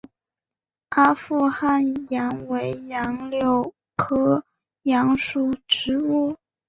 阿富汗杨为杨柳科杨属的植物。